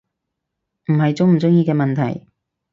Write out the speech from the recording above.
唔係鍾唔鍾意嘅問題